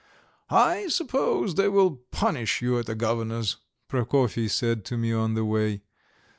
"I suppose they will punish you at the Governor's," Prokofy said to me on the way.